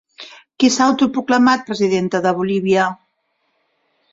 Qui s'ha autoproclamat presidenta de Bolívia?